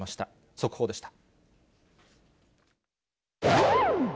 速報でした。